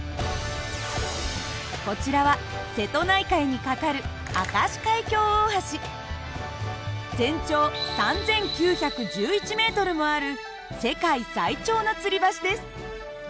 こちらは瀬戸内海に架かる全長３，９１１ｍもある世界最長のつり橋です。